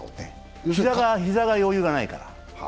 膝が余裕がないから。